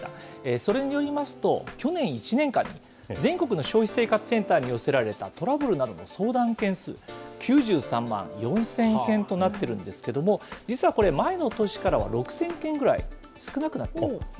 それによりますと、去年１年間に全国の消費生活センターに寄せられたトラブルなどの相談件数、９３万４０００件となっているんですけれども、実はこれ、前の年からは６０００件ぐらい少なくなっている。